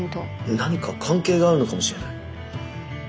何か関係があるのかもしれない。